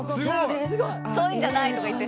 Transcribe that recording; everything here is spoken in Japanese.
「そういうんじゃないとか言って」